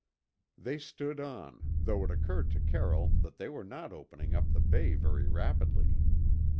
They stood on, though it occurred to Carroll that they were not opening up the bay very rapidly.